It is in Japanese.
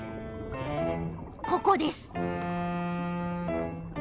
ここです！